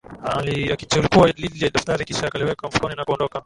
Akalichukua lile daftari kisha akaliweka mfukoni na kuondoka